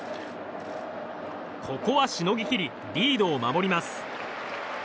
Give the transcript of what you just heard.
ここは、しのぎ切りリードを守ります。